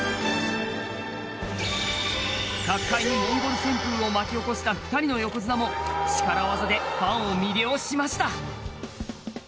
角界のモンゴル旋風を巻き起こした２人の横綱も力技でファンを魅了しました。